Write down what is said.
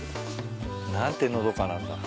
何てのどかなんだ。